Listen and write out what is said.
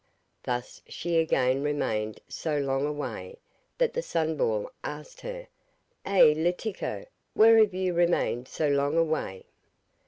Thus she again remained so long away that the Sunball asked her: 'Eh, Letiko, why have you remained so long away?